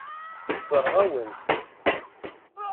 Tessṛeɣ-awen-t.